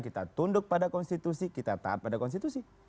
kita tunduk pada konstitusi kita taat pada konstitusi